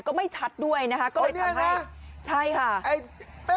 ก็ไม่ชัดด้วยนะครับ